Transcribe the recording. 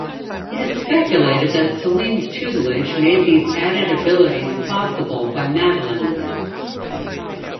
It is speculated that Selene's tutelage made these added abilities possible by Madelyne.